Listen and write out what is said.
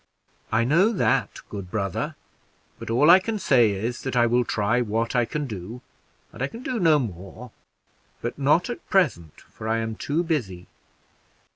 "I know that, good brother; but all I can say is, that I will try what I can do, and I can do no more but not at present, for I am too busy."